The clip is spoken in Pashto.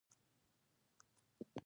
پو دې شي ناستې نه مې منع کولی شي.